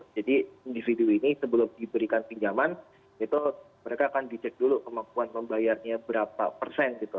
jadi individu ini sebelum diberikan pinjaman itu mereka akan dicek dulu kemampuan membayarnya berapa persen gitu